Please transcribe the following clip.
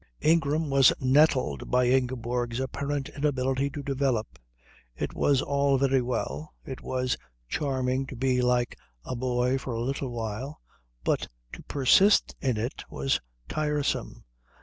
Ingram was nettled by Ingeborg's apparent inability to develop. It was all very well, it was charming to be like a boy for a little while, but to persist in it was tiresome.